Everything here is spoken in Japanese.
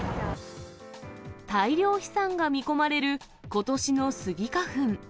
大量飛散が見込まれることしのスギ花粉。